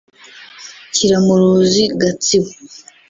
Kiramuruzi (Gatsibo)